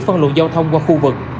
phân luận giao thông qua khu vực